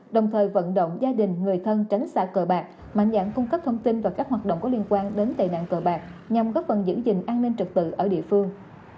đồng thời vận động gia đình người thân tránh xa cờ bạc mạnh dạng cung cấp thông tin và các hoạt động có liên quan đến tệ nạn cờ bạc nhằm góp phần giữ gìn an ninh trực tự ở địa phương